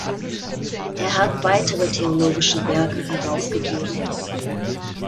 Er hat weitere theologische Werke herausgegeben.